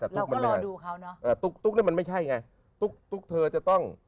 แต่ตุ๊กมันไม่ใช่ไงตุ๊กเธอจะต้อง